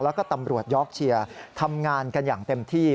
แล้วก็ตำรวจยอกเชียร์ทำงานกันอย่างเต็มที่